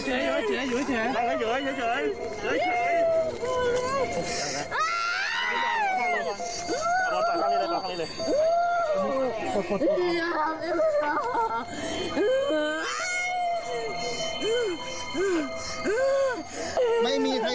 พี่แม่หาดูปัญชาด้วยเค้าดีนะ